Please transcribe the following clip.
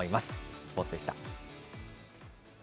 スポーツでした。